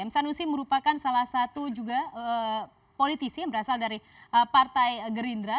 m sanusi merupakan salah satu juga politisi yang berasal dari partai gerindra